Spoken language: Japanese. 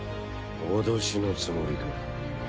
脅しのつもりか？